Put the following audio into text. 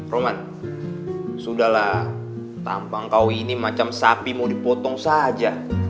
roman sudahlah tampang kau ini macam sapi mau dipotong saja